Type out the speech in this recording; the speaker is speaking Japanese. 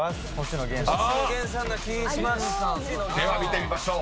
［では見てみましょう。